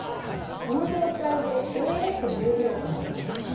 この状態で「エー」と１０秒間言います。